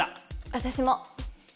私も！